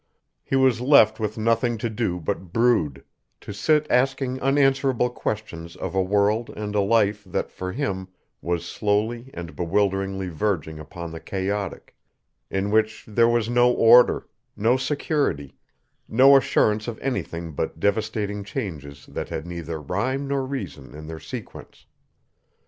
He was left with nothing to do but brood, to sit asking unanswerable questions of a world and a life that for him was slowly and bewilderingly verging upon the chaotic, in which there was no order, no security, no assurance of anything but devastating changes that had neither rhyme nor reason in their sequence.